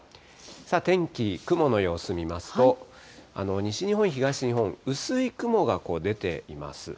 天気、雲の様子見ますと、西日本、東日本、薄い雲が出ています。